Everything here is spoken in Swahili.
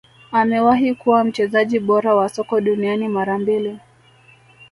Amewahi kuwa mchezaji bora wa soka duniani mara mbili